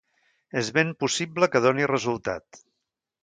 És ben possible que doni resultat.